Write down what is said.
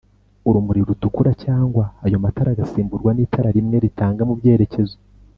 urumuri rutukura cyangwa ayo matara agasimburwa n itara rimwe ritanga mu byerekezo